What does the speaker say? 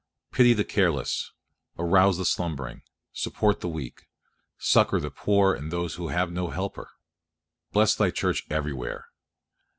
Pity the careless; arouse the slumbering; support the weak; succour the poor and those that have no helper. Bless Thy Church everywhere.